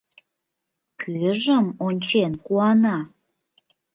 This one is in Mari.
Кӧжым ончен куана?